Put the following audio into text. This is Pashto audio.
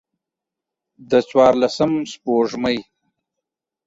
د څوارلسم سپوږمۍ